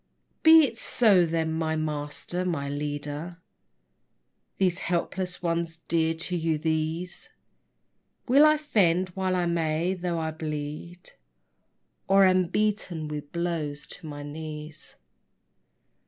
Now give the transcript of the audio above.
Be it so then, my master, my leader: These helpless ones, dear to you, these Will I fend while I may, though I bleed, or Am beaten with blows to my knees.